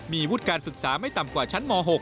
มีวุฒิการศึกษาไม่ต่ำกว่าชั้นม๖